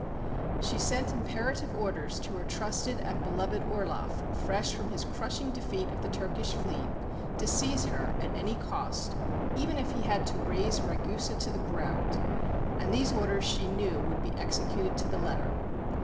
She sent imperative orders to her trusted and beloved Orloff, fresh from his crushing defeat of the Turkish fleet, to seize her at any cost, even if he had to raze Ragusa to the ground; and these orders she knew would be executed to the letter.